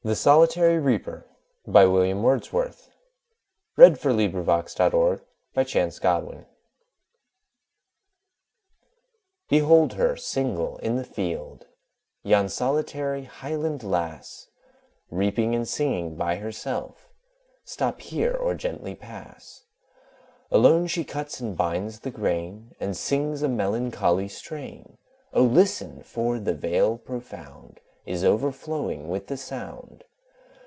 William Wordsworth The Solitary Reaper from Memorials of a Tour in Scotland, 1803 BEHOLD her, single in the field, Yon solitary Highland Lass! Reaping and singing by herself; Stop here, or gently pass! Alone she cuts and binds the grain, And sings a melancholy strain; O listen! for the Vale profound Is overflowing with the sound.